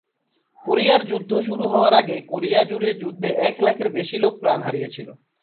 কোরিয়ার যুদ্ধ শুরু হওয়ার আগে কোরিয়া জুড়ে যুদ্ধে এক লাখের বেশি লোক প্রাণ হারিয়েছিল।